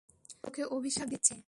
আমি তোকে অভিশাপ দিচ্ছি।